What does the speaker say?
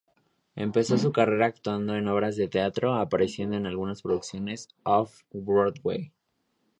Empezó su carrera actuando en obras de teatro, apareciendo en algunas producciones Off-Broadway.